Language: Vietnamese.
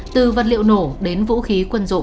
từ vật liệu nổ đến vũ khí quân dụng